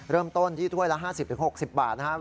เริ่มต้นที่ถ้วยละ๕๐๖๐บาทนะครับ